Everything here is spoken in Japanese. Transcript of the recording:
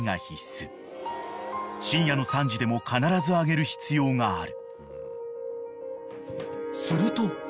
［深夜の３時でも必ずあげる必要がある］